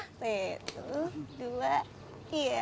satu dua iya